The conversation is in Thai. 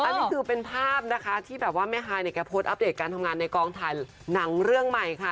อันนี้คือเป็นภาพนะคะที่แบบว่าแม่ฮายเนี่ยแกโพสต์อัปเดตการทำงานในกองถ่ายหนังเรื่องใหม่ค่ะ